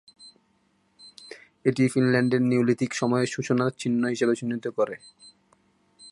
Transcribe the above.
এটি ফিনল্যান্ডের নিওলিথিক সময়ের সূচনার চিহ্ন হিসাবে চিহ্নিত করে, যদিও জীবিকা নির্বাহ এখনও শিকার এবং মাছ ধরার উপর নির্ভর করে।